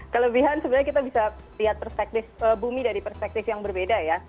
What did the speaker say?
kelebihan sebenarnya kita bisa lihat perspektif bumi dari perspektif yang berbeda ya